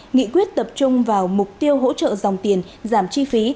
nghị quyết tập trung vào mục tiêu hỗ trợ dòng tiền giảm chi phí